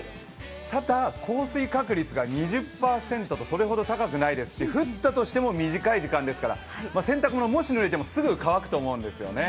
ただ、降水確率が２０％とそれほど高くないですし、降ったとしても短い時間ですから、洗濯物、もしぬれてもすぐ乾くと思うんですよね。